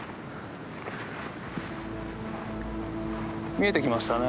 見えてきましたね